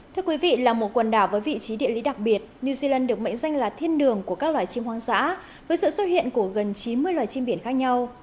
thưa quý vị là một quần đảo với vị trí địa lý đặc biệt new zealand được mệnh danh là thiên đường của các loài chim hoang dã với sự xuất hiện của gần chín mươi loài chim biển khác nhau